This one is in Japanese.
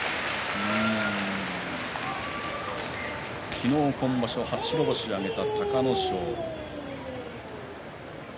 昨日、今場所初白星を挙げた隆の勝。